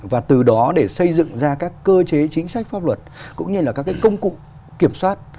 và từ đó để xây dựng ra các cơ chế chính sách pháp luật cũng như là các cái công cụ kiểm soát